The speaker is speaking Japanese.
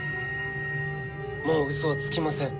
もううそはつきません。